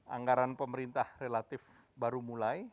anggaran pemerintah relatif baru mulai